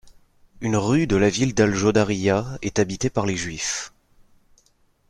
Une rue de la ville d'Al-Jaudariyyah est habitée par les Juifs.